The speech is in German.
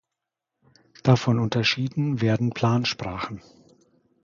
Davon unterschieden werden Plansprachen.